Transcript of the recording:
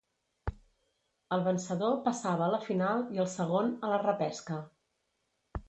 El vencedor passava a la final i el segon a la repesca.